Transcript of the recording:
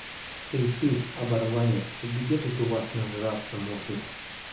Эй ты, оборванец! Где тут у вас нажраться можно?